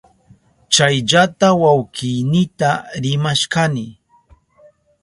Chayllata wawkiynita rimashkani.